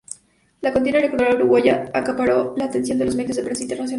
La contienda electoral uruguaya acaparó la atención de los medios de prensa internacionales.